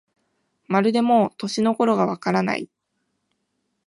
まるでもう、年の頃がわからない